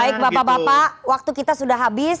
baik bapak bapak waktu kita sudah habis